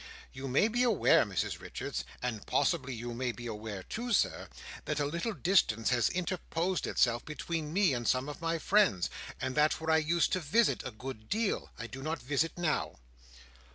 You may be aware, Mrs Richards—and, possibly, you may be aware too, Sir—that a little distance has interposed itself between me and some of my friends, and that where I used to visit a good deal, I do not visit now."